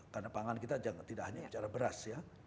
karena pangan kita tidak hanya beras ya